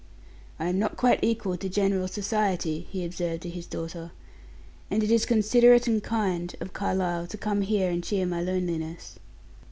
"I am not quite equal to general society," he observed to his daughter, "and it is considerate and kind of Carlyle to come here and cheer my loneliness."